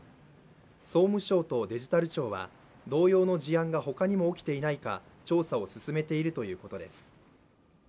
総務省とデジタル庁は、同様の事案が他にも起きていないか調査を進めているということです。